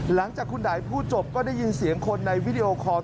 หลังจากคุณไดพูดจบก็ได้ยินเสียงคนในวิดีโอคอล